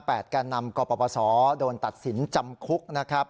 แปดการนำกรปบาสอโดนตัดสินจำคุกนะครับ